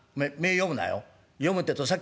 読むなよ」。